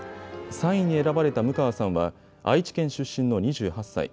３位に選ばれた務川さんは愛知県出身の２８歳。